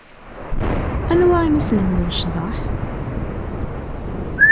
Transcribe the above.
Anwa i am-yeslemden ccḍeḥ?